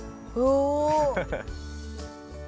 お！